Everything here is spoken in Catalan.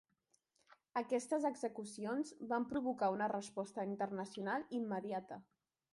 Aquestes execucions van provocar una resposta internacional immediata.